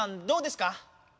どうですか？